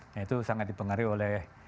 nah itu sangat dipengaruhi oleh